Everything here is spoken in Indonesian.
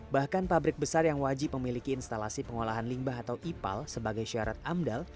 bahkan pabrik besar yang wajib memiliki instalasi pengolahan limbah atau ipal sebagai syarat amdal